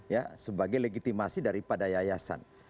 ya sebagai legitimasi daripada yayasan